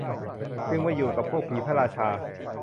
จึงมาอยู่กับพวกผีพระราชา